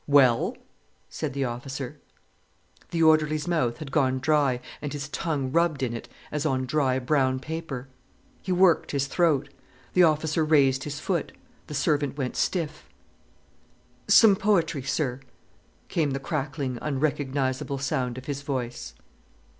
"Well?" said the officer. The orderly's mouth had gone dry, and his tongue rubbed in it as on dry brown paper. He worked his throat. The officer raised his foot. The servant went stiff. "Some poetry, sir," came the crackling, unrecognizable sound of his voice.